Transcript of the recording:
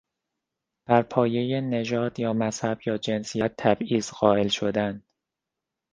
برپایهی نژاد یا مذهب یا جنسیت تبعیض قائل شدن